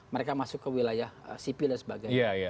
mereka masuk ke wilayah sipil dan sebagainya